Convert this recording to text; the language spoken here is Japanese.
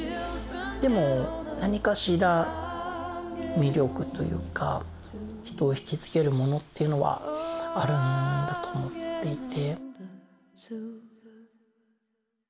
でもなにかしら魅力というか人を引き付けるものっていうのはあるんだと思っていて。